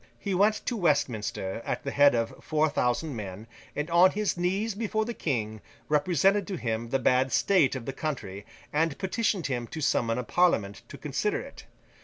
He went to Westminster, at the head of four thousand men, and on his knees before the King, represented to him the bad state of the country, and petitioned him to summon a Parliament to consider it.